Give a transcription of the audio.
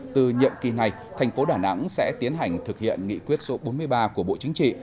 từ nhiệm kỳ này thành phố đà nẵng sẽ tiến hành thực hiện nghị quyết số bốn mươi ba của bộ chính trị